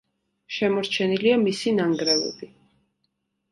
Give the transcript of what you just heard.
შემორჩენილია მისი ნანგრევები.